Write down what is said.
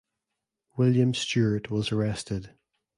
William Stewart was arrested.